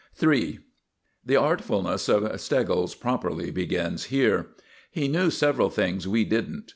III The artfulness of Steggles properly begins here. He knew several things we didn't.